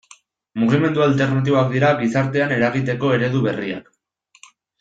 Mugimendu alternatiboak dira gizartean eragiteko eredu berriak.